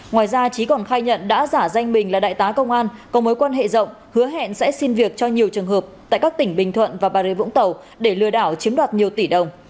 ngoài ra trí còn khai nhận đã giả danh mình là đại tá công an có mối quan hệ rộng hứa hẹn sẽ xin việc cho nhiều trường hợp tại các tỉnh bình thuận và bà rê vũng tàu để lừa đảo chiếm đoạt nhiều tỷ đồng